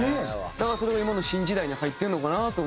だからそれが今の新時代に入ってるのかなと。